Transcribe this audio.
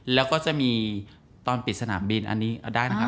แล้วก็จะมีตอนปิดสนามบินอันนี้ได้นะครับ